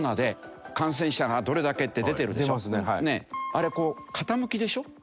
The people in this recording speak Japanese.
あれこう傾きでしょ。